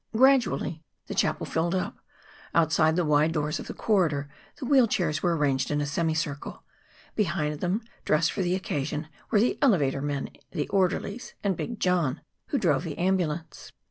Gradually the chapel filled up. Outside the wide doors of the corridor the wheel chairs were arranged in a semicircle. Behind them, dressed for the occasion, were the elevator men, the orderlies, and Big John, who drove the ambulance.